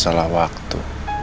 cuma masalah waktu